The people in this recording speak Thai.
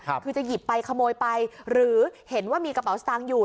คือจะหยิบไปขโมยไปหรือเห็นว่ามีกระเป๋าสตางค์อยู่